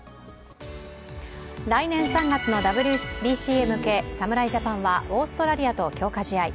来年３月のＷＢＣへ向け侍ジャパンはオーストラリアと強化試合。